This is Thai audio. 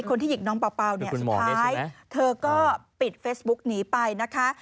คนที่หญิงน้องเป่าเนี่ยสุดท้ายเธอก็ปิดเฟซบุ๊กหนีไปนะคะ